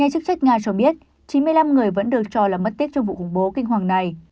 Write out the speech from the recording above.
hai chức trách nga cho biết chín mươi năm người vẫn được cho là mất tích trong vụ khủng bố kinh hoàng này